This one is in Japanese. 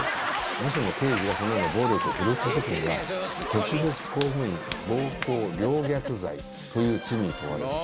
もしも刑事がそのような暴力を振るったときには、特別公務員暴行陵虐罪という罪に問われます。